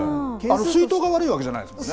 水筒が悪いわけじゃないですもんね。